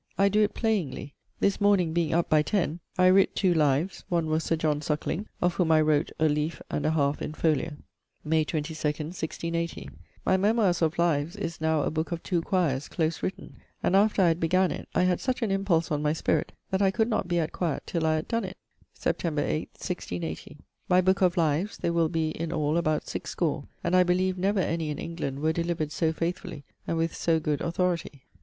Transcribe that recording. I doe it playingly. This morning being up by 10, I writt two : one was Sir John Suckling, of whom I wrote a leafe and 1/2 in folio.' May 22, 1680: 'My memoires of lives' 'a booke of 2 quires, close written: and after I had began it, I had such an impulse on my spirit that I could not be at quiet till I had donne it.' Sept. 8, 1680: 'My booke of lives ... they will be in all about six score, and I beleeve never any in England were delivered so faithfully and with so good authority.'